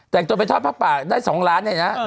แต่จนไปทอดผักปากได้สองล้านเนี้ยนะ